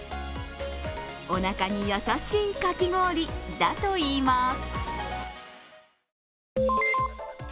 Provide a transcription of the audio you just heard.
おなかに優しいかき氷だといいます。